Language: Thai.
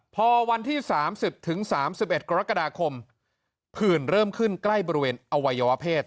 พอวันที่๓๐๓๑กรกฎาคมผื่นเริ่มขึ้นใกล้บริเวณอวัยวะเพศ